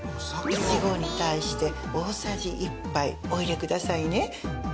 １合に対して大さじ１杯お入れくださいね。